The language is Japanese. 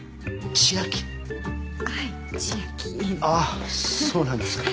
あっそうなんですか。